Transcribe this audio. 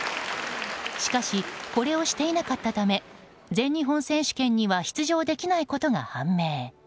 しかしこれをしていなかったため全日本選手権には出場できないことが判明。